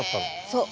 そう。